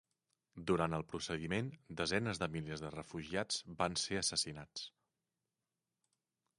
Durant el procediment, desenes de milers de refugiats van ser assassinats.